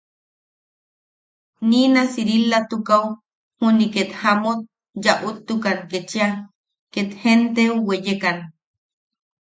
Niina Siriilatukaʼu juni ket jamut yaʼutukan kechia, ket jenteu weyekan.